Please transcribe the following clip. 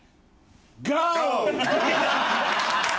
ゴー！